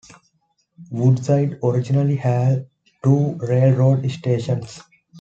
Woodside originally had two railroad stations.